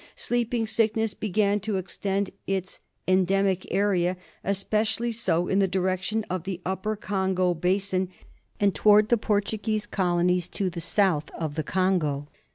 Sleeping Sickness began to extend its endemic area, especially so in the direction of the Upper Congo basin and towards the Portuguese colonies to the south of the Congo.